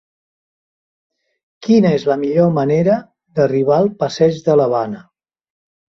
Quina és la millor manera d'arribar al passeig de l'Havana?